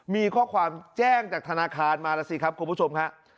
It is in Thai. มีข้อความแจ้งจากธนาคารมาแล้วสิครับคุณผู้ชมครับ